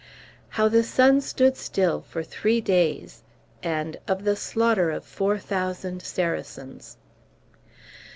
"How the Sun stood still for Three Days, and of the Slaughter of Four Thousand Saracens."